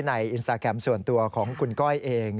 อินสตาแกรมส่วนตัวของคุณก้อยเอง